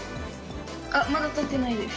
あっまだ立ってないです。